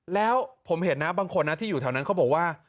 แล้วผมเห็นนะบางคนนะที่อยู่แถวนั้นเขาบอกว่า